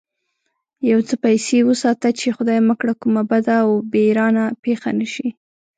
يو څه پيسې وساته چې خدای مکړه کومه بده و بېرانه پېښه نه شي.